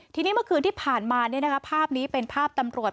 ทีนี้เมื่อคืนที่ผ่านมาภาพนี้เป็นภาพตำรวจ